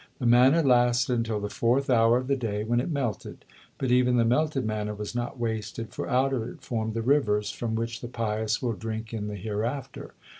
The manna lasted until the fourth hour of the day, when it melted; but even the melted manna was not wasted, for out of it formed the rivers, from which the pious will drink in the hereafter.